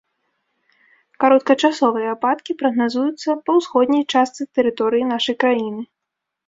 Кароткачасовыя ападкі прагназуюцца па ўсходняй частцы тэрыторыі нашай краіны.